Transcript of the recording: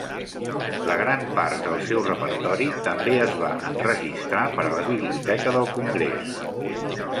La gran part del seu repertori també es va enregistrar per a la Biblioteca del Congrés.